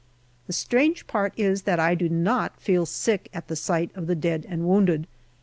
The strange part is that I do not feel sick at the sight of the dead and wounded.